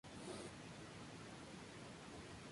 Finalmente, se desertó esta idea.